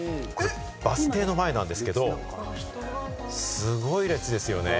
バス停の前なんですけど、すごい列ですよね。